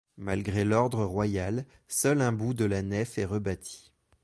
Malgré l’ordre royal, seul un bout de la nef est rebâti.